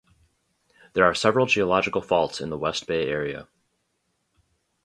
There are several geological faults in the West Bay area.